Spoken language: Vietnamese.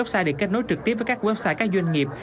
website được kết nối trực tiếp với các website các doanh nghiệp